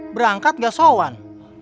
berangkat engga sowan